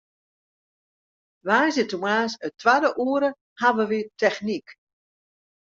Woansdeitemoarns it twadde oere hawwe wy technyk.